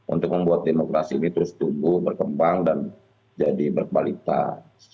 untuk membuat demokrasi ini terus tumbuh berkembang dan jadi berkualitas